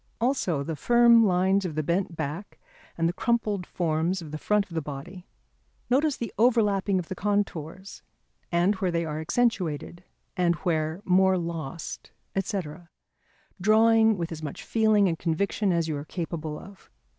Also the firm lines of the bent back and the crumpled forms of the front of the body. Notice the overlapping of the contours, and where they are accentuated and where more lost, &c., drawing with as much feeling and conviction as you are capable of.